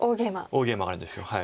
大ゲイマがあるんです。